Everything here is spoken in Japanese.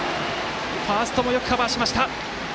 ファーストもよくカバーしました。